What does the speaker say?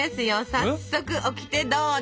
早速オキテどうぞ！